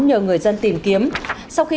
nhờ người dân tìm kiếm sau khi